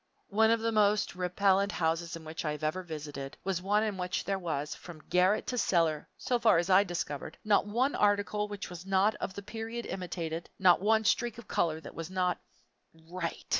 One of the most repellent houses in which I have ever visited was one in which there was, from garret to cellar, so far as I discovered, not one article which was not of the period imitated, not one streak of color which was not "right."